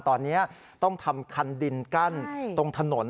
ตอนนี้ต้องทำคันดินกั้นตรงถนน